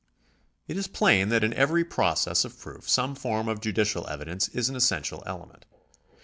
It is plain that in every process of proof some form of judicial evidence is an essential element.